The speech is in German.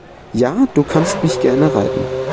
Ja, du kannst mich gerne reiten.